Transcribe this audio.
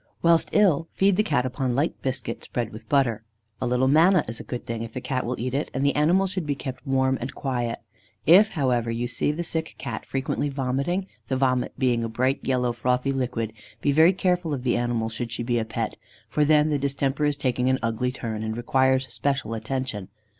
Whilst ill, feed the Cat upon light biscuit spread with butter. A little manna is a good thing if the Cat will eat it, and the animal should be kept warm and quiet. If, however, you see the sick Cat frequently vomiting, the vomit being a bright yellow frothy liquid, be very careful of the animal should she be a pet, for then the distemper is taking an ugly turn, and requires special attention.